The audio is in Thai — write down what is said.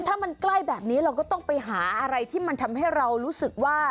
ถ้ามันใกล้แบบนี้เราก็ต้องไปหาอะไรที่มันทำให้เรารู้สึกว่า